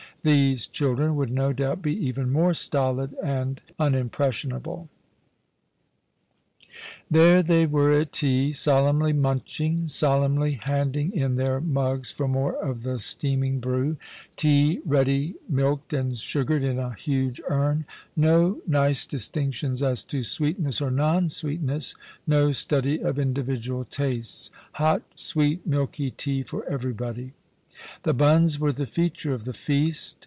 These children would no doubt be even more stolid and unimpressionable. There they were at tea, solemnly munching, solemnly handing in their mugs for more of the steaming brew — tea ready milked and sugared in a huge urn; no nice distinctions as to sweetness or non sweetness, no study of individual tastes : hot, sweet, milky tea for everybody. The buns were the feature of the feast.